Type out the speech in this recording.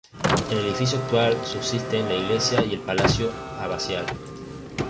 En el edificio actual subsisten la iglesia y el palacio abacial.